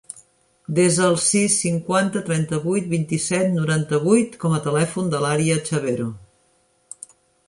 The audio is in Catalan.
Desa el sis, cinquanta, trenta-vuit, vint-i-set, noranta-vuit com a telèfon de l'Arya Chavero.